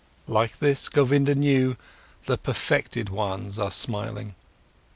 Like this, Govinda knew, the perfected ones are smiling.